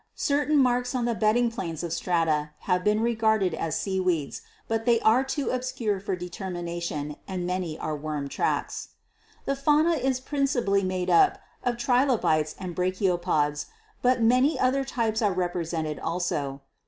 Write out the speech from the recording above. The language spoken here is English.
Certain marks on the bedding planes of strata have been regarded as seaweeds, but they are too obscure for determination and many are worm tracks. The fauna is principally made up of Trilobites and Brachiopods, but many other types are represented also.